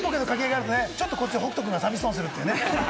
ちょっとこっちで北斗くんが寂しそうにするっていう。